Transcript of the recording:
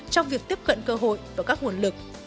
trong việc tiếp cận cơ hội và các nguồn lực